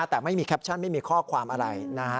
แต่ไม่มีแคปชั่นไม่มีข้อความอะไรนะฮะ